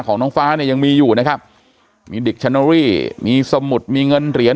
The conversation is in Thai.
ของน้องฟ้าเนี่ยยังมีอยู่นะครับมีเด็กชาโนรี่มีสมุดมีเงินเหรียญ